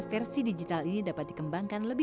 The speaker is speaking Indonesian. meskipun cloning manusia belum bisa dikonsumsi